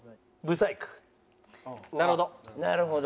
なるほど。